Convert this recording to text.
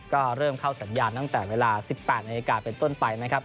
ก็เริ่มเข้าสัญญาณตั้งแต่เวลา๑๘นาฬิกาเป็นต้นไปนะครับ